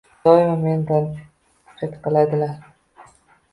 Doimo meni tanqid qiladilar.